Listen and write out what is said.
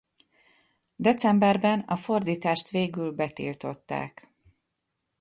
Decemberben a fordítást végül betiltották.